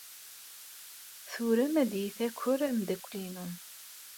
Turem ad iyi-taker ameddakel-inu.